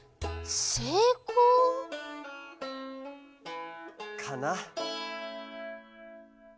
せいこう？かな。